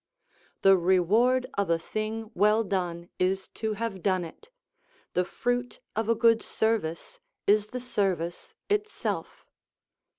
["The reward of a thing well done is to have done it; the fruit of a good service is the service itself."